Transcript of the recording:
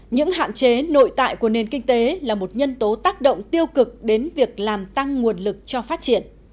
những hạn chế nội tại của nền kinh tế là một nhân tố tác động tiêu cực đến việc làm tăng nguồn lực cho phát triển